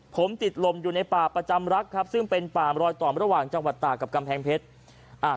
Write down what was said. ผมติดลมอยู่ในป่าประจำรักครับซึ่งเป็นป่ามรอยต่อระหว่างจังหวัดตากกับกำแพงเพชร